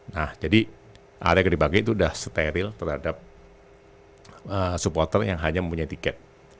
nah jadi area yang dipakai itu sudah steril terhadap supporter yang hanya mempunyai tiket